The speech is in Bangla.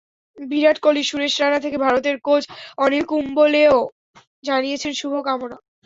বিরাট কোহলি, সুরেশ রায়না থেকে ভারতের কোচ অনিল কুম্বলেও জানিয়েছেন শুভকামনা।